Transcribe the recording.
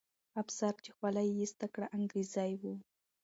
افسر چې خولۍ یې ایسته کړه، انګریزي وو.